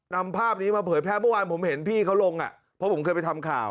นำภาพนี้มาเผยแพร่เมื่อวานผมเห็นพี่เขาลงอ่ะเพราะผมเคยไปทำข่าว